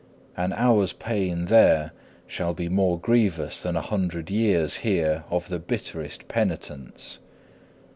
An hour's pain there shall be more grievous than a hundred years here of the bitterest penitence.